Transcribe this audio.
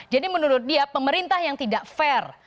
jadi menurut dia pemerintah yang tidak fair